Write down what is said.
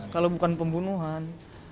kalau bukan pembunuhan